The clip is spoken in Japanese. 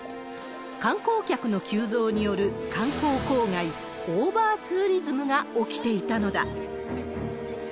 観光客の急増による観光公害、オーバーツーリズムが起きていたのだ。